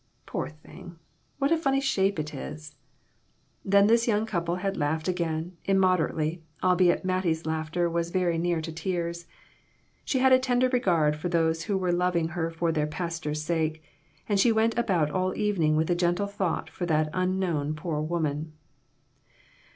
Poor thing, what a funny shape it is !" Then this young couple had laughed again, immoderately, albeit Mattie's laughter was very near to tears. She had a tender regard for those who were loving her for their pastor's sake, and she went about all the evening with a gentle thought for that unknown poor woman.